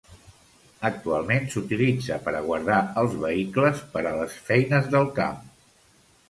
Actualment s'utilitza per a guardar els vehicles per a les feines del camp.